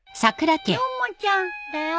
ヨモちゃんだよ。